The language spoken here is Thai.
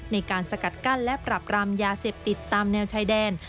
ในการสกัดกั้นและปรับรามยาเสพติดตามแนวชายแดน